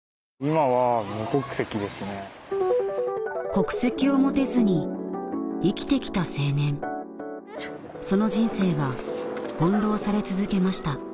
国籍を持てずに生きて来た青年その人生は翻弄され続けました